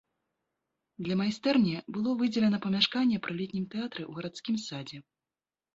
Для майстэрні было выдзелена памяшканне пры летнім тэатры ў гарадскім садзе.